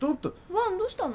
ワンどうしたの？